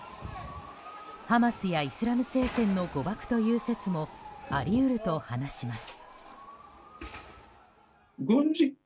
ハマスやイスラム聖戦の誤爆という説もあり得ると話します。